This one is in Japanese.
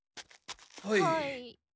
はい。